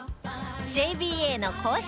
ＪＢＡの公式